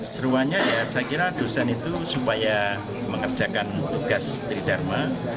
seruannya ya saya kira dosen itu supaya mengerjakan tugas tridharma